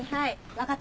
分かった？